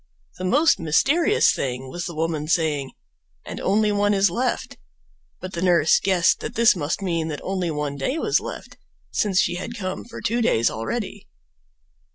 The most mysterious thing was the woman saying "and only one is left"; but the nurse guessed that this must mean that only one day was left, since she had come for two days already.